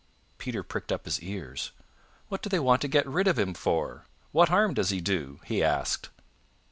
Peter pricked up his ears. "What do they want to get rid of him for. What harm does he do?" he asked.